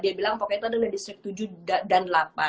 dia bilang pokoknya itu adalah distrik tujuh dan delapan